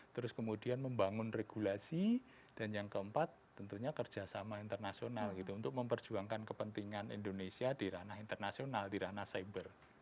terus kemudian membangun regulasi dan yang keempat tentunya kerjasama internasional gitu untuk memperjuangkan kepentingan indonesia di ranah internasional di ranah cyber